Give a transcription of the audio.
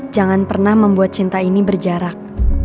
jangan pernah membuat cinta ini berjarak